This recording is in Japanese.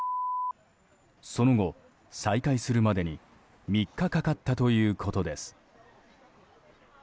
その後、再開するまでに３日かかったということです。